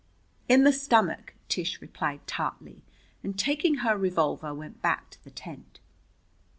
"In the stomach," Tish replied tartly, and taking her revolver went back to the tent.